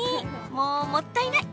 もうもったいない。